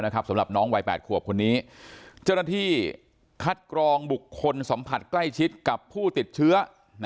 คัดกรองบุคคลสัมผัสใกล้ชิดกับผู้ติดเชื้อ